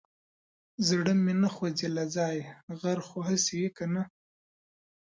زړه مې نه خوځي له ځايه غر خو هسي وي که نه.